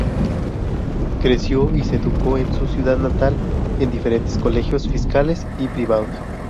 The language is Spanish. Creció y se educó en su ciudad natal, en diferentes colegios fiscales y privados.